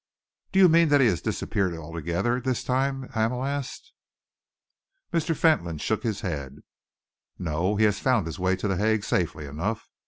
"Do you mean that he has disappeared altogether this time?" Hamel asked. Mr. Fentolin shook his head. "No, he has found his way to The Hague safely enough.